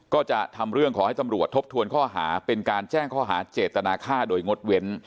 ก็จะทำเรื่องขอให้ตำรวจทบทวนข้อหาเป็นการแจ้งข้อหาเจตนาฆ่าโดยงดเว้น